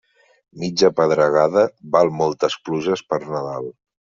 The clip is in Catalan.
Mitja pedregada val moltes pluges per Nadal.